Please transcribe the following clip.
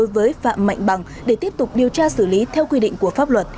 với phạm mạnh bằng để tiếp tục điều tra xử lý theo quy định của pháp luật